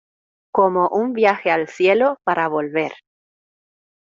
Como un viaje al cielo para volver.